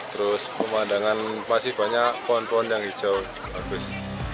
terus pemandangan masih banyak pohon pohon yang hijau bagus